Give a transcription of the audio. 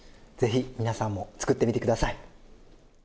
ぜひ皆さんも作ってみてください。